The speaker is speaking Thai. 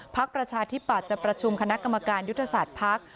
ประชาธิปัตย์จะประชุมคณะกรรมการยุทธศาสตร์ภักดิ์